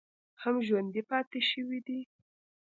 هم ژوندی پاتې شوی دی